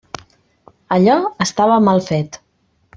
Allò estava mal fet.